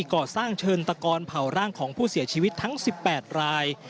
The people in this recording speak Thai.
ก่อสร้างเชิญตะกอนเผาร่างของผู้เสียชีวิตทั้ง๑๘ราย